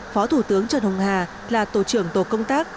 phó thủ tướng trần hùng hà là tổ trưởng tổ công tác